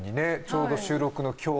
ちょうど収録の今日